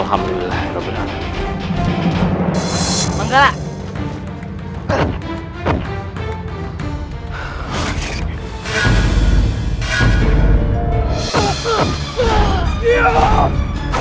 kau pikir kau sudah menang